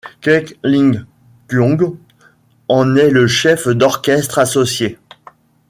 Quek Ling Kiong en est le chef d'orchestre associé.